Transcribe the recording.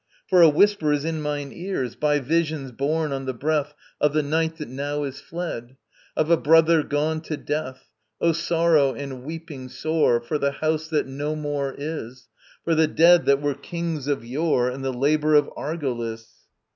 For a whisper is in mine ears, By visions borne on the breath Of the Night that now is fled, Of a brother gone to death. Oh sorrow and weeping sore, For the house that no more is, For the dead that were kings of yore And the labour of Argolis!